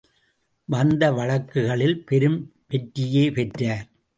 வந்த வழக்குகளில் பெரும் வெற்றியே பெற்றார்.